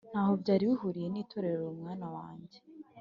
ntaho byari bihuriye n'itorero, mwana wanjye,